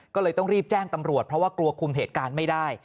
ก็เลยต้องรีบแจ้งตำรวจเพราะว่ากลัวคุมเหตุการณ์ไม่ได้